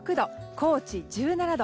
高知、１７度。